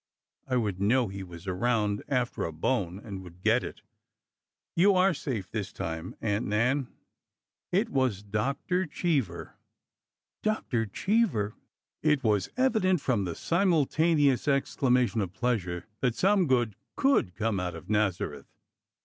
I would know he was around after a bone— and would get it 1 ''" You are safe this time, Aunt Nan. It was Dr. Cheever. " Dr. Cheever I '' It was evident, from the simul taneous exclamation of pleasure, that some good could ^ome out of Nazareth.